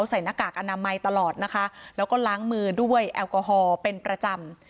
หน้ากากอนามัยตลอดนะคะแล้วก็ล้างมือด้วยแอลกอฮอล์เป็นประจำ